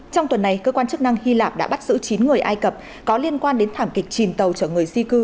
trong tuần này cơ quan chức năng hy lạp đã bắt giữ chín người ai cập có liên quan đến thảm kịch chìm tàu chở người di cư